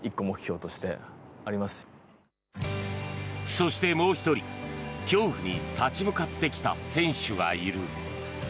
そしてもう１人、恐怖に立ち向かってきた選手がいる。